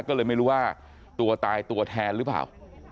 ก็เลยไม่รู้ว่าตัวตายตัวแทนหรือเปล่า